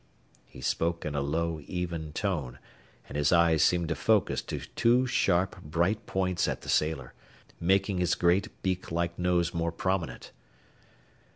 He spoke in a low, even tone, and his eyes seemed to focus to two sharp, bright points at the sailor, making his great beak like nose more prominent.